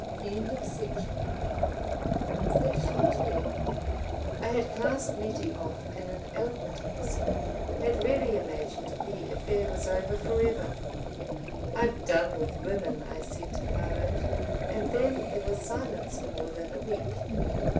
§ 2 I had cast Nettie off in an eloquent epistle, had really imagined the affair was over forever—"I've done with women," I said to Parload—and then there was silence for more than a week.